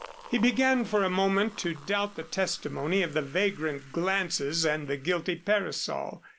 He began, for a moment, to doubt the testimony of the vagrant glances and the guilty parasol.